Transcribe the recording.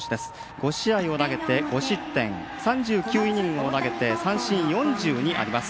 ５試合を投げて５失点３９イニングを投げて三振４２あります。